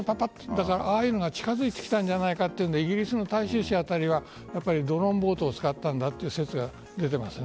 ああいうのが近づいてきたんじゃないかというのでイギリスの大衆紙あたりはドローン・ボート使ったんだという説が出ています。